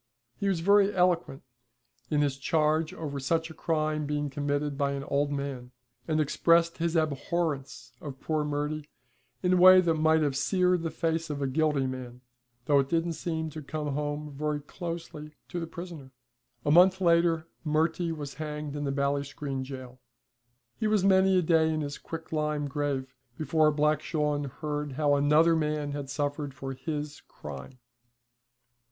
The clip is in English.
He was very eloquent in his charge over such a crime being committed by an old man, and expressed his abhorrence of poor Murty in a way that might have seared the face of a guilty man, though it didn't seem to come home very closely to the prisoner. A month later Murty was hanged in Ballinscreen jail. He was many a day in his quicklime grave before Black Shawn heard how another man had suffered for his crime.